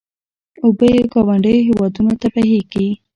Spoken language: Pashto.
اوبه یې ګاونډیو هېوادونو ته بهېږي.